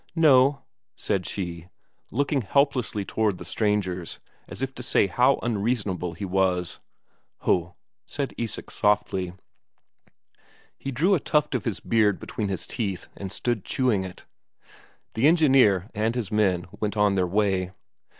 "No," said she, looking helplessly towards the strangers, as if to say how unreasonable he was. "Ho!" said Isak softly. He drew a tuft of his beard between his teeth and stood chewing it. The engineer and his men went on their way.